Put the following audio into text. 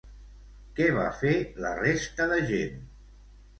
Què va fer la resta de gent?